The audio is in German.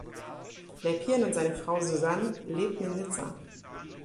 Leppien und seine Frau Suzanne lebten in Nizza.